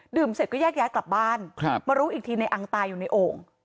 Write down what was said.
เสร็จก็แยกย้ายกลับบ้านมารู้อีกทีในอังตายอยู่ในโอ่ง